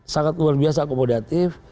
sangat luar biasa komodatif